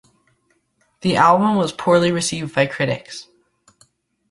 The album was poorly received by critics.